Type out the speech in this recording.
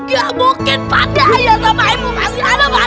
ga mungkin pak deh ayah sama ibu masih ada pak deh